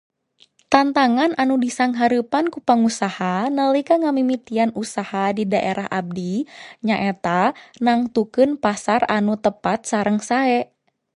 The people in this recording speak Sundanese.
Tantangan anu disanghareupan ku pangusaha nalika ngamimitian usaha di daerah abdi nyaeta nangtukeun pasar anu tepat sareng sae.